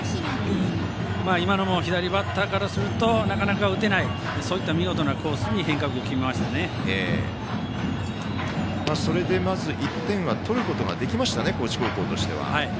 今のも左バッターからするとなかなか、打てない見事なコースにそれでまず１点は取ることができました高知高校としては。